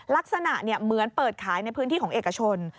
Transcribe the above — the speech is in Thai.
ลักษณะเหมือนเปิดขายในพื้นที่ของเอกชน